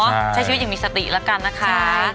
ใช่ใช้ชีวิตอย่างมิสถิติแล้วกันนะครับใช่